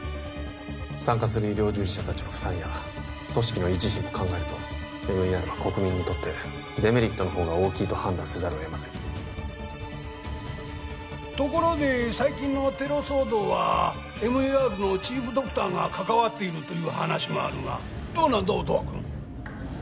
参加する医療従事者達の負担や組織の維持費も考えるとＭＥＲは国民にとってデメリットのほうが大きいと判断せざるを得ませんところで最近のテロ騒動はＭＥＲのチーフドクターが関わっているという話もあるがどうなんだ音羽君